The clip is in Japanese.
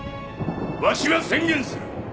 わしは宣言する。